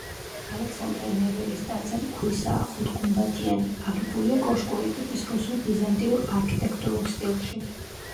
ალექსანდრე ნეველის ტაძარი ქვისაა, ხუთგუმბათიანი, აგებულია კოშკური ტიპის რუსულ-ბიზანტიურ არქიტექტურულ სტილში.